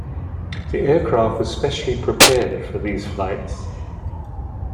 The aircraft was specially prepared for these flights.